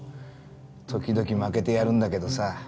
時々負けてやるんだけどさ